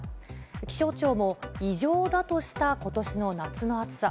気象庁も異常だとしたことしの夏の暑さ。